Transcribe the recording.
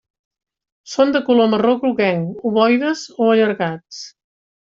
Són de color marró-groguenc, ovoides o allargats.